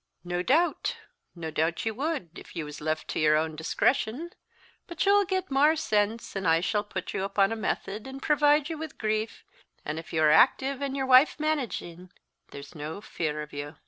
"Nae doot, nae doot ye would, if ye was left to your ain discretion; but ye'll get mair sense, and I shall put ye upon a method, and provide ye wi' a grieve; an' if you are active, and your wife managing, there's nae fear o' you."